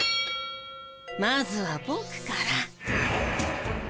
まずはボクから。